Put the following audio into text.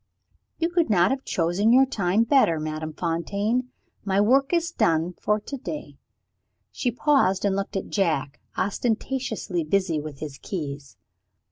"You could not have chosen your time better, Madame Fontaine. My work is done for to day." She paused, and looked at Jack, ostentatiously busy with his keys.